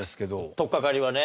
取っかかりはね。